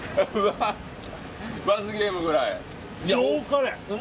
罰ゲームくらい。